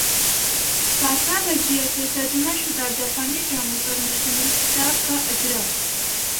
فاطمہ بجیا کے ترجمہ شدہ جاپانی ڈراموں پر مشتمل کتاب کا اجراء